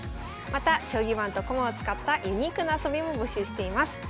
また将棋盤と駒を使ったユニークな遊びも募集しています。